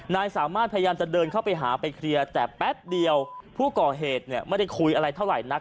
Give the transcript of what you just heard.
นายสามารถพยายามจะเดินเข้าไปหาไปเคลียร์แต่แป๊บเดียวผู้ก่อเหตุไม่ได้คุยอะไรเท่าไหร่นัก